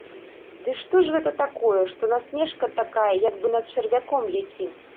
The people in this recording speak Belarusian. Ды што ж гэта такое, што насмешка такая, як бы над чарвяком якім!